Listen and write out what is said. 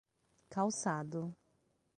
Calçado